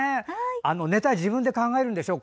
ネタ、自分で考えるんでしょ？